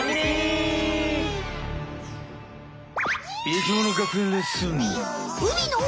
生きもの学園レッスン。